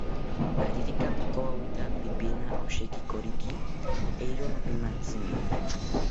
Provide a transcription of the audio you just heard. Aririka pikowawita pipena osheki koriki, eero nopimantzimiro